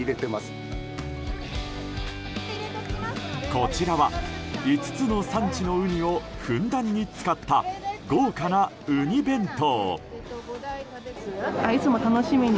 こちらは、５つの産地のウニをふんだんに使った豪華なウニ弁当。